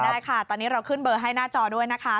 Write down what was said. ได้ค่ะตอนนี้เราขึ้นเบอร์ให้หน้าจอด้วยนะคะ